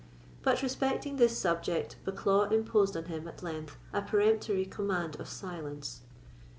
But respecting this subject Bucklaw imposed on him, at length, a peremptory command of silence.